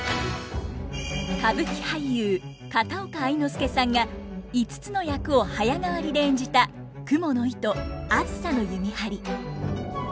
歌舞伎俳優片岡愛之助さんが５つの役を早替わりで演じた「蜘蛛絲梓弦」。